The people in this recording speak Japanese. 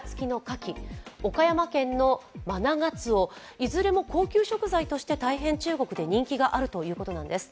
いずれも高級食材として大変中国で人気があるということです。